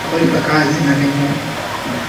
mpaka baada ya kufa kwa Herode